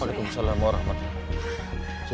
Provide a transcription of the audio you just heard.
waalaikumsalam warahmatullahi wabarakatuh